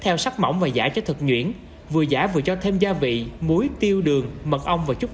theo sắt mỏng và giã cho thật nhuyễn vừa giã vừa cho thêm gia vị muối tiêu đường mật ong và chút